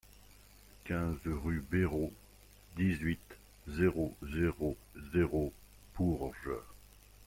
quinze rue Béraud, dix-huit, zéro zéro zéro, Bourges